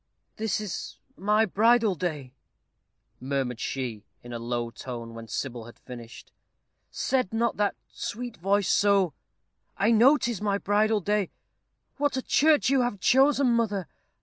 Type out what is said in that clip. "This is my bridal day," murmured she, in a low tone, when Sybil had finished. "Said not that sweet voice so? I know 'tis my bridal day. What a church you have chosen, mother!